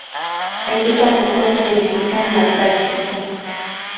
Esto tampoco se verifica en la práctica.